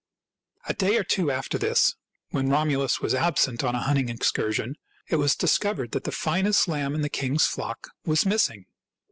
A day or two after this, when Romulus was absent on a hunting excursion, it was discovered that the finest lamb in the king's flock was missing.